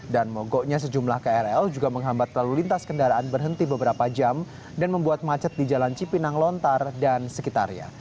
dan mogoknya sejumlah krl juga menghambat lalu lintas kendaraan berhenti beberapa jam dan membuat macet di jalan cipinang lontar dan sekitarnya